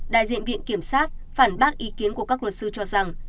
đại diện viện kiểm sát phản bác ý kiến của các luật sư cho rằng